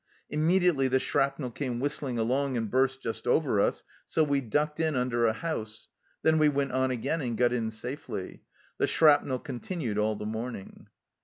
Immediately the shrapnel came whistling along and burst just over us, so we ducked in under a house. Then we went on again and got in safely. The shrapnel continued all the morning."